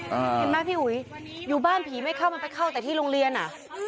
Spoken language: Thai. เห็นไหมพี่อุ๋ยอยู่บ้านผีไม่เข้ามันไปเข้าแต่ที่โรงเรียนอ่ะ